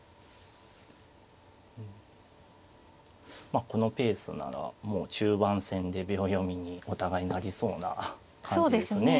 まあこのペースならもう中盤戦で秒読みにお互いなりそうな感じですね。